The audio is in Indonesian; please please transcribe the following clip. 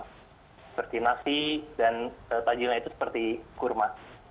seperti nasi dan tajilnya itu seperti kurma